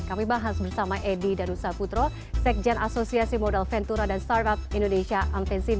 kami bahas bersama edy danusa putro sekjen asosiasi modal ventura dan startup indonesia amfensi dua